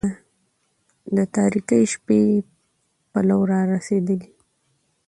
د تاريكي شپې پلو را رسېدلى